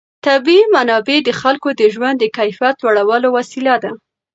طبیعي منابع د خلکو د ژوند د کیفیت لوړولو وسیله ده.